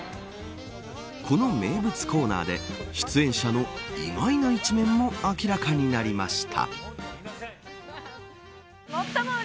この名物コーナーで出演者の意外な一面も明らかになりました。